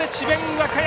和歌山